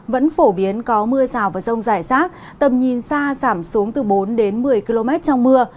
vẫn phổ biến có mưa rào và rông rải rác tầm nhìn xa giảm xuống từ bốn đến một mươi km trong mưa